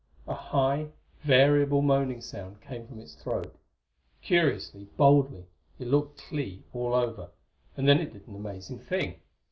A high, variable moaning sound came from its throat. Curiously, boldly, it looked Clee all over and then it did an amazing thing.